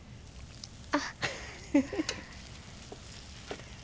あっ。